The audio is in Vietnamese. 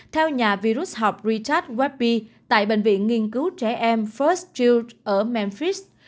theo nhà virus học richard wadby tại bệnh viện nghiên cứu trẻ em first children ở memphis